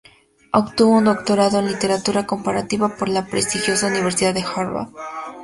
Obtuvo un Doctorado en Literatura comparativa por la prestigiosa universidad de Harvard.